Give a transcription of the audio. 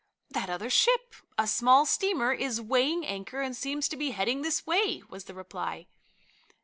"That other ship a small steamer is weighing anchor and seems to be heading this way," was the reply.